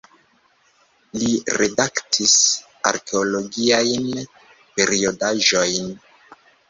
Li redaktis arkeologiajn periodaĵojn.